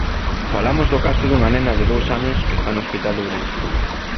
Falamos do caso dunha nena de dous anos que está no hospital de Ourense.